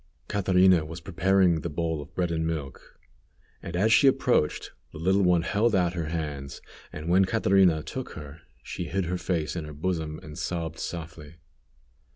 Catrina was preparing the bowl of bread and milk, and as she approached, the little one held out her hands, and when Catrina took her she hid her face in her bosom and sobbed softly.